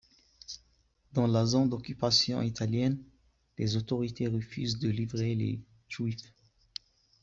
Dans la zone d'occupation italienne, les autorités refusent de livrer les Juifs.